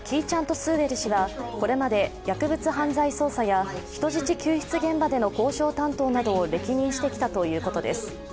・スーエル氏はこれまで薬物犯罪捜査や人質救出現場での交渉担当などを歴任してきたということです。